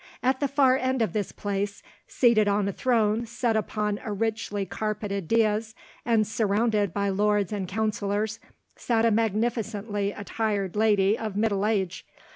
At the far end of this place, seated on a throne set upon a richly carpeted dais and surrounded by lords and counsellors, sat a magnificently attired lady of middle age.